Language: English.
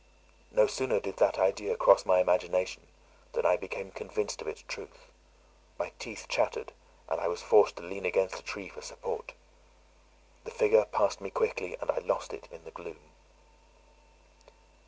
No sooner did that idea cross my imagination, than I became convinced of its truth; my teeth chattered, and I was forced to lean against a tree for support. The figure passed me quickly, and I lost it in the gloom.